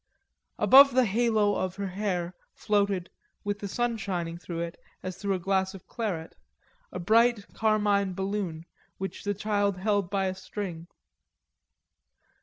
Above the yellow halo of her hair floated, with the sun shining through it, as through a glass of claret, a bright carmine balloon which the child held by a string.